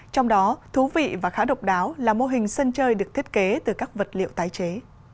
trong đó thú vị và khá độc đáo là mô hình sân chơi được thiết kế từ các vật liệu tái chế